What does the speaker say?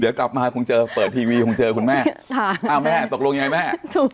เดี๋ยวกลับมาคงเจอเปิดทีวีคงเจอคุณแม่อ้าวแม่ตกลงยังไงแม่